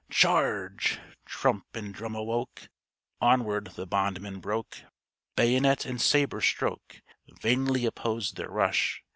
"Charge!" Trump and drum awoke, Onward the bondmen broke; Bayonet and sabre stroke Vainly opposed their rush.